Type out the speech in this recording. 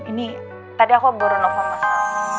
ini tadi aku baru nelfon masak